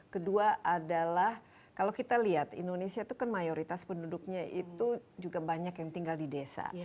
kedua adalah kalau kita lihat indonesia itu kan mayoritas penduduknya itu juga banyak yang tinggal di desa